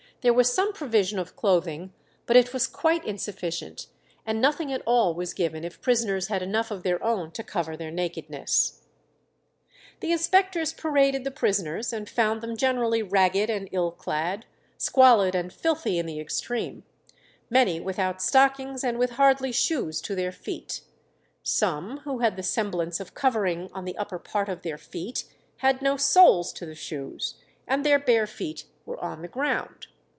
There was some provision of clothing, but it was quite insufficient, and nothing at all was given if prisoners had enough of their own to cover their nakedness. The inspectors paraded the prisoners, and found them generally ragged and ill clad, squalid and filthy in the extreme; many without stockings, and with hardly shoes to their feet; some, who had the semblance of covering on the upper part of their feet, had no soles to the shoes, and their bare feet were on the ground.